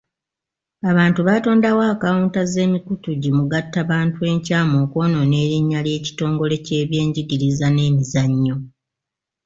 Abantu batondawo akawunta z'emikutu gi mugattabantu enkyamu okwonoona erinnya ly'ekitongole ky'ebyenjigiriza n'emizannyo.